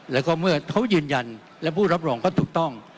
แล้วก็เมื่อเขายืนยันและผู้รับรองก็ถูกต้อง